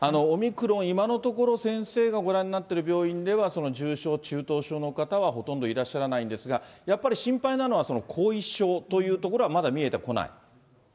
オミクロン、今のところ、先生がご覧になっている病院では、重症、中等症の方はほとんどいらっしゃらないんですが、やっぱり心配なのは、その後遺症というところは、まだ見えてこない？